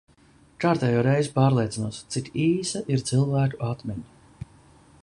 Kārtējo reizi pārliecinos, cik īsa ir cilvēku atmiņa.